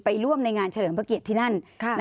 ร่วมในงานเฉลิมพระเกียรติที่นั่น